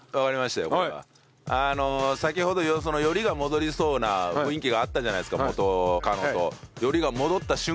あの先ほどよりが戻りそうな雰囲気があったじゃないですか元カノと。